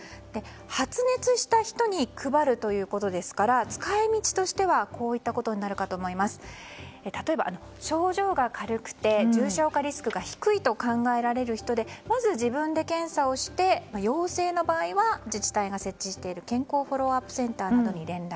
発熱した人に配るということですから使い道としては例えば、症状が軽くて重症化リスクが低いと考えられる人でまず自分で検査をして陽性の場合は自治体が設置している健康フォローアップセンターに連絡。